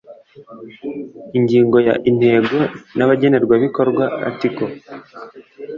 Ingingo ya Intego n Abagenerwabikorwa Article